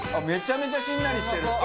めちゃめちゃしんなりしてる。